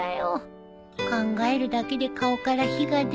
考えるだけで顔から火が出るね